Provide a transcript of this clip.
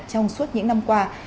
trong suốt những năm qua